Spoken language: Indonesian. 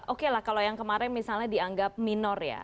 oke lah kalau yang kemarin misalnya dianggap minor ya